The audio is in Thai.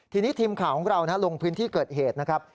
ทีนี้ทีมข่าวของเราลงพื้นที่เกิดเหตุนะครับ